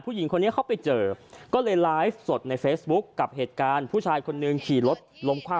ผู้หญิงคนนี้เขาไปเจอก็เลยไลฟ์สดในเฟซบุ๊คกับเหตุการณ์ผู้ชายคนหนึ่งขี่รถล้มคว่ำ